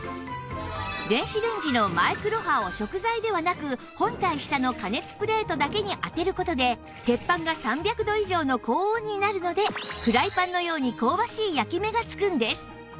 電子レンジのマイクロ波を食材ではなく本体下の加熱プレートだけに当てる事で鉄板が３００度以上の高温になるのでフライパンのように香ばしい焼き目がつくんです